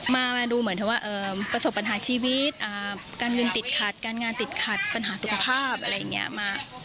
มาดูเหมือนว่าประสบปัญหาชีวิตการเงินติดขัดการงานติดขัดปัญหาสุขภาพอะไรอย่างนี้มา